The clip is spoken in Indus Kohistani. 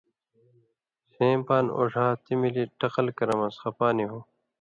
سِیں بانیۡ او ڙھا تی مِلیۡ ٹقل کرَمان٘س خَپا نِی ہو ،